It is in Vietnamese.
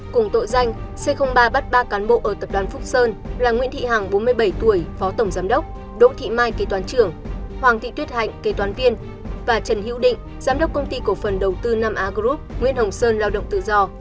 cùng tội danh c ba bắt ba cán bộ ở tập đoàn phúc sơn là nguyễn thị hằng bốn mươi bảy tuổi phó tổng giám đốc đỗ thị mai kế toán trưởng hoàng thị tuyết hạnh kế toán viên và trần hữu định giám đốc công ty cổ phần đầu tư nam á group nguyễn hồng sơn lao động tự do